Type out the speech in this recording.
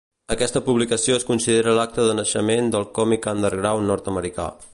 Aquesta publicació es considera l'acta de naixement del còmic underground nord-americà.